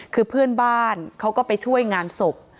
คือเพื่อนบ้านเขาก็ไปช่วยงานศพ